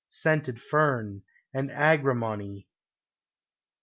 Scented fern, and agrimony.